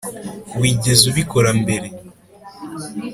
wigeze ubikora mbere?